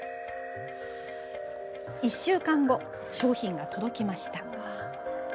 １週間後、商品が届きました。